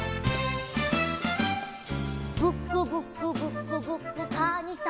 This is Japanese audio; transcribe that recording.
「ブクブクブクブクかにさんあるき」